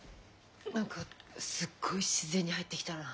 何かすっごい自然に入ってきたな。